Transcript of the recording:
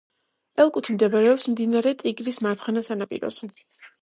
ელ-კუთი მდებარეობს მდინარე ტიგრის მარცხენა სანაპიროზე.